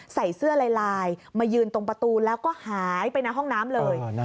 ใส่เสื้อลายมายืนตรงประตูแล้วก็หายไปในห้องน้ำเลย